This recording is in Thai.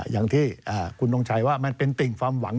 อย่างที่คุณทงชัยว่ามันเป็นติ่งความหวัง